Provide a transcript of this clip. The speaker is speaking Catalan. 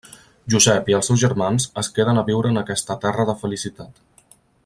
Josep i els seus germans es queden a viure en aquesta terra de felicitat.